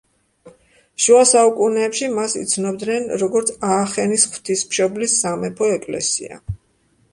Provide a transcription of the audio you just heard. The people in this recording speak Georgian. შუა საუკუნეებში მას იცნობდნენ როგორც „აახენის ღვთისმშობლის სამეფო ეკლესია“.